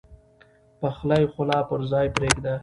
پخلی خو لا پر ځای پرېږده.